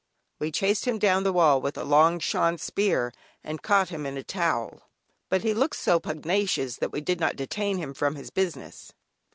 We chased him down the wall with a long "Shan" spear and caught him in a towel, but he looked so very pugnacious that we did not detain him from his business.